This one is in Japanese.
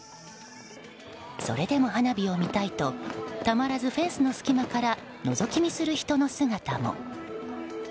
それでも花火を見たいとたまらずフェンスの隙間からのぞき見する人の姿も。